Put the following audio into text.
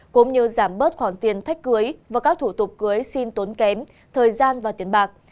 cũng như giảm bớt khoản tiền thách cưới và các thủ tục cưới xin tốn kém thời gian và tiền bạc